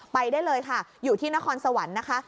ไปได้เลยค่ะอยู่ที่นครสวรรค์นะคะ